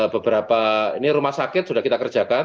beberapa ini rumah sakit sudah kita kerjakan